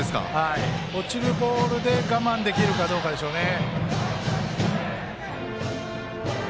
落ちるボールで我慢できるかどうかでしょうね。